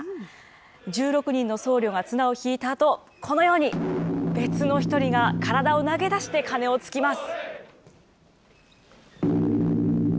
１６人の僧侶が綱をひいたあと、このように、別の１人が体を投げ出して鐘をつきます。